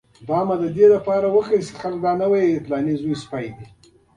کله چې سمې، پاکې او نېغې لارې بندې شي.